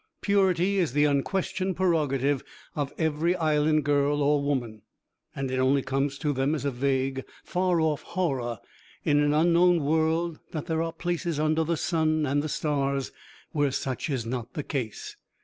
Purity is the unquestioned prerogative of every Island girl or woman, and it only comes to them as a vague far off horror in an unknown world that there are places under the sun and the stars where such is not the case.